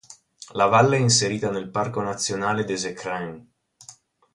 La valle è inserita nel Parco nazionale des Écrins.